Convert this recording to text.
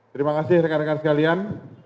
terima kasih rekan rekan sekalian